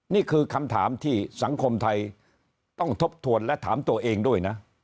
นี่คือคำถามที่สังคมไทยต้องทบทวนและถามตัวเองด้วยนะ